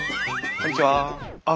こんにちは。